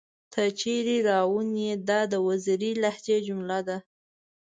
تۀ چېرې راوون ئې ؟ دا د وزيري لهجې جمله ده